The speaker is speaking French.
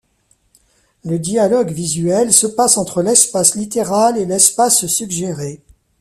Le dialogue visuel se passe entre l'espace littéral et l'espace suggéré.